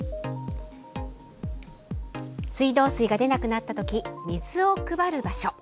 水道水が出なくなった時に水を配る場所。